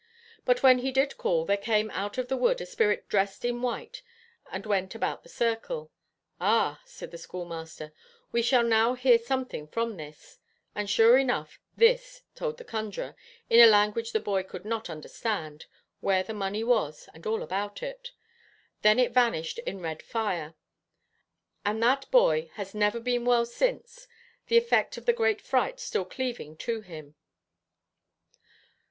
But when he did call, there came out of the wood a spirit dressed in white, and went about the circle. 'Ah,' said the schoolmaster, 'we shall now hear something from this.' And sure enough 'this' told the conjuror (in a language the boy could not understand) where the money was, and all about it. Then it vanished in red fire; and that boy 'has never been well since, the effect of the great fright still cleaving to him.'